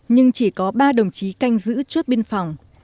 nhưng chỉ có ba đồng chí canh giữ chốt biên phòng